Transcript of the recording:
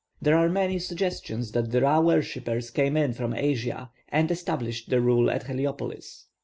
There are many suggestions that the Ra worshippers came in from Asia, and established their rule at Heliopolis.